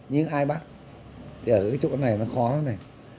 nhưng ai bắt thì ở cái chỗ này nó khó hơn này